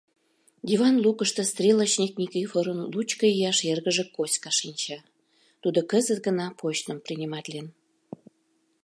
Диван лукышто стрелочник Никифорын лучко ияш эргыже Коська шинча Тудо кызыт гына почтым приниматлен.